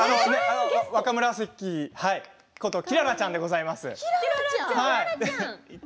若紫こときららちゃんでございます。